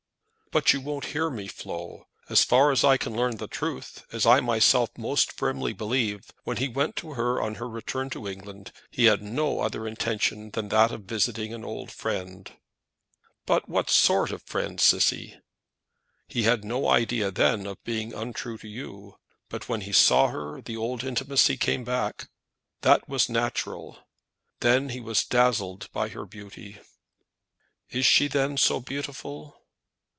"But you won't hear me, Flo. As far as I can learn the truth, as I myself most firmly believe, when he went to her on her return to England, he had no other intention than that of visiting an old friend." "But what sort of friend, Cissy?" "He had no idea then of being untrue to you. But when he saw her the old intimacy came back. That was natural. Then he was dazzled by her beauty." "Is she then so beautiful?"